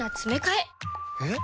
えっ？